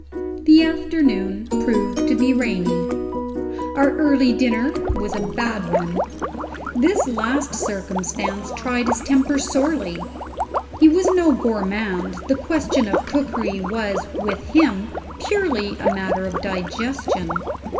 The afternoon proved to be rainy. Our early dinner was a bad one. This last circumstance tried his temper sorely. He was no gourmand; the question of cookery was (with him) purely a matter of digestion.